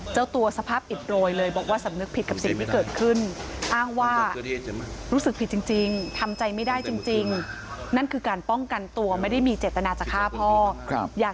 เจ้าตัวสภาพอิตรวยเลย